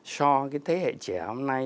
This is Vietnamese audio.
so cái thế hệ trẻ hôm nay